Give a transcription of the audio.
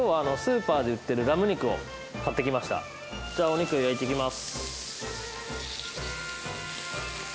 じゃあお肉を焼いていきます。